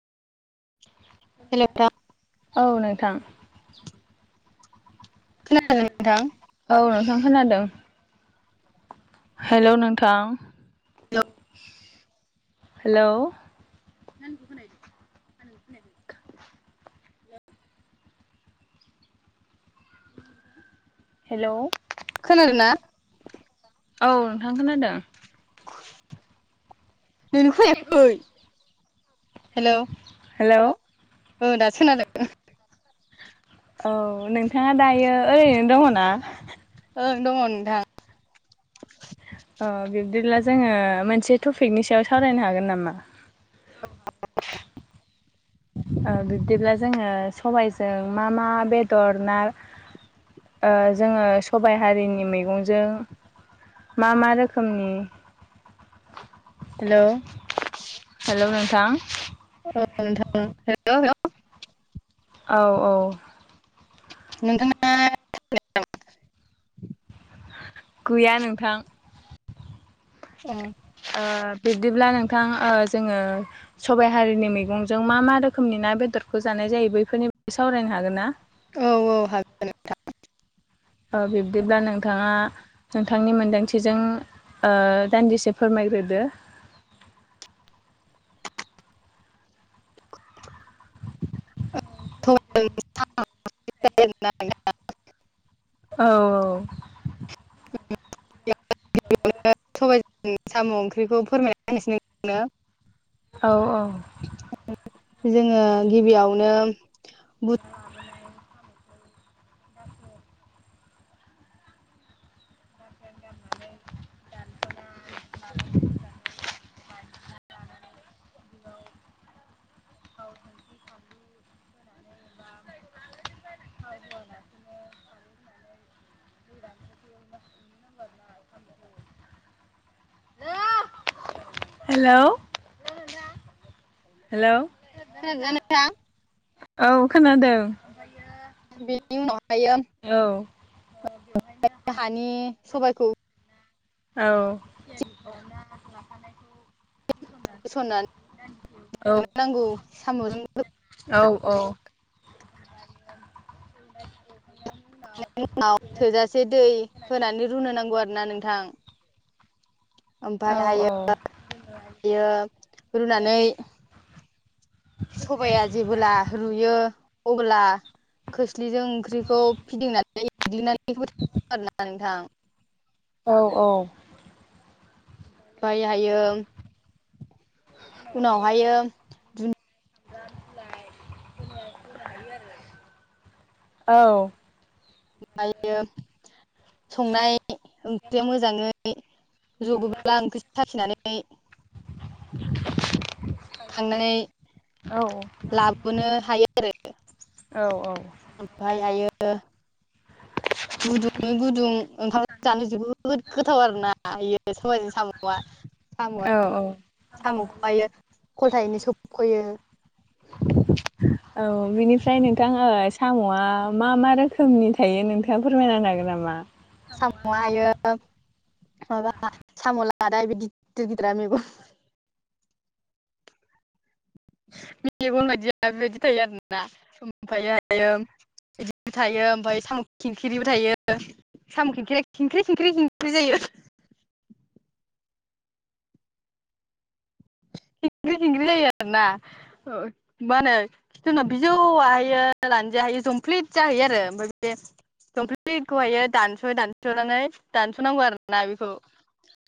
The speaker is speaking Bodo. हेल' दा औ नोंथां। खोनादों नोंथां औ नोंथां खोनादों। हेल' नोंथां, हेल' हेलौ। नों आंनिखौ खोनाहैदों? हेलौ। खोनादोना? औ नोंथां खोनादों। [unintelligible] [unintelligible] हेल'? हेल'? औ दासो‌ खोनादों। औ नोंथाङा दायो ओरैनो दङ ना? ओं दङ नोंथां। अ बिब्दिब्ला जोङो मोनसे टपिकनि सायाव सावरायनो हागोन नामा? बिदिब्ला जोङो सबायजों मा मा बेदर ना ओ जोङो सबायाइ हारिनि मैगंजों मा मा रोखोमनि हेल'? हेल' नोंथां? ओ नोंथां हेलौ हेलौ औ औ नोंथां ना गैया नोंथां। औ ओ बिब्दिब्ला नोंथां ओ जोङो सबाइ हारिनि मैगंजों मा मा रोखोमनि ना बेदरखौ जानाय जायो बैफोरनि सावरायनो हागोन ना? औ औ हागोन। नोंथां औ बिब्दिब्ला नोंथाङा नोंथांनि मोनदांथिजों दान्दिसे फोरमायग्रोदो। [inaudible] [unintelligible] औ औ [unintelligible] स साम' ओंख्रिखौ फोरमायना होनसै आंनो औ औ जोङो गिबियावनो बुथ [inaudible] हेल' हेल'? खोनादोंना नोंथां औ खोनादों? बिनि उनावहायो औ ओ हानि सबाइखौ औ औ होसननानै नांगौ साम'जों औ औ उनाव थोजासे दै होनानै रुनो नांगौ आरो ना नोंथां। औ ओमफ्राय हायओ बेयो रुनानै सबाइाया जेबोब्ला रुयो अब्ला खोस्लिजों ओंख्रिखौ फिदिं नानै [unintelligible] नोंथां औ औ ओमफ्राय हायो उनावहायो औ ओमफ्रायो संनाय ओंख्रिया मोजाङै जबोब्ला ओंख्रि सासिनानै [inaudible] थांनानै लाबोनो हायो आरो। औ औ। ओमफायहायो गुदुङै गुदुं ओंखामजों जानो जोबोद गोथाव आरोना बेयो सबायइजों साम'आ। औ साम'आ औ साम'खौहायो खलथायैनो सोबख'यो। औ बिनिफ्राय नोंथां ओ साम'आ मा मा रोखोमनि थायो नोंथाङा फोरमायना होनो हागोन नामा? साम'हायो माबा साम' लादाइ बे गिदिर गिदिरा मेगन मेगन बायदि बेबायदि थायो आरोना ओमफायहायो बिदिबो थायो ओमफ्राय साम' खिंखिरिबो थायो। साम' खिंख्रिया खेंख्रि खेंख्रि खेंख्रि जायो। खिंख्रि खिंख्रि जायो आरोना मा होनो खिथु उनाव बिजौहायो लानजाइहायो जंप्लिट जाहैयो आरो ओमफ्राय बे जमप्लिटखौहायो दानस' दानस'नानै दानस'नांगौ आरोना बेखौ।